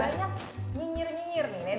banyak yang menilai nih bang sandi ini pecicilan lah